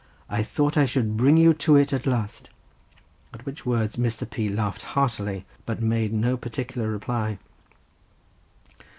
I thought I should bring you to it at last!" at which words Mr. P. laughed heartily, but made no particular reply.